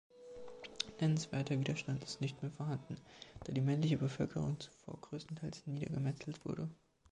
Nennenswerter Widerstand ist nicht mehr vorhanden, da die männliche Bevölkerung zuvor größtenteils niedergemetzelt wurde.